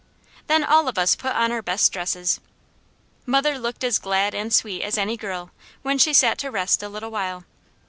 Then all of us put on our best dresses. Mother looked as glad and sweet as any girl, when she sat to rest a little while.